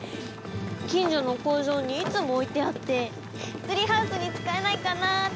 近所の工場にいつも置いてあってツリーハウスに使えないかなって。